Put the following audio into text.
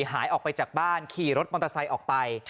หายออกไปจากบ้านขี่รถมอเตอร์ไซค์ออกไป